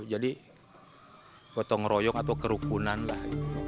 jadi potong royok atau kerukunan lah